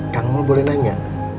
kang mul boleh nanya